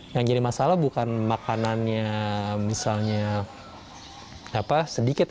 yang jadi masalah bukan makanannya misalnya sedikit